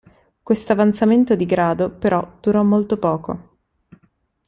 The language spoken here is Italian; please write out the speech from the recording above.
Quest'avanzamento di grado però durò molto poco.